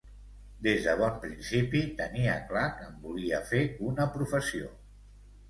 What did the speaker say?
Des de bon principi tenia clar que en volia fer una professió.